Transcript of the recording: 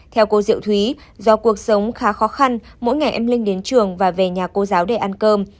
theo cô diệu thúy do cuộc sống khá khó khăn mỗi ngày em linh đến trường và về nhà cô giáo để ăn cơm